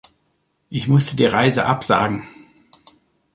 Ich musste die Reise absagen.